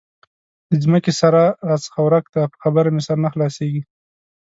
د ځمکې سره راڅخه ورک دی؛ په خبره مې سر نه خلاصېږي.